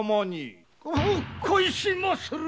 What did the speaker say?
帰しまする。